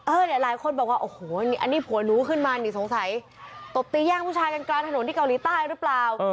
หลายคนบอกว่าโอ้โหอันนี้ผัวหนูขึ้นมานี่สงสัยตบตีย่างผู้ชายกันกลางถนนที่เกาหลีใต้หรือเปล่า